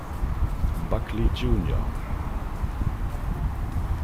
Buckley jr.